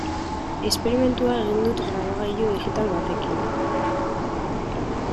Esperimentua egin dut grabagailu digital batekin.